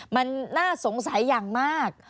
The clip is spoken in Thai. มันน่าสงสัยอย่างมาก